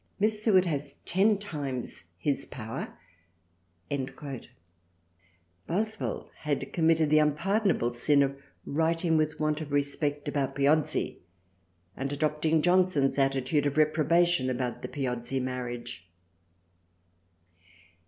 Miss Seward has ten times his Power" Boswell had committed the unpardonable sin of writing with want of respect about Piozzi and adopting Johnson's attitude of reprobation about the Piozzi marriage.